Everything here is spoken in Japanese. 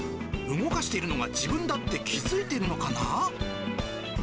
動かしているのが自分だって気付いてるのかな。